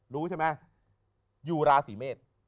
รู้ใช่ไหมอยู่ราศีเมษ